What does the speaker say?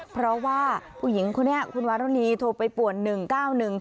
เพราะว่าผู้หญิงคนนี้คุณวารุณีโทรไปป่วน๑๙๑